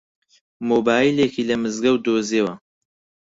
مۆبایلێکی لە مزگەوت دۆزییەوە.